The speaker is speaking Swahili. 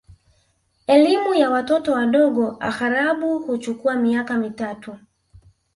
Elimu ya watoto wadogo aghalabu huchukua miaka mitatu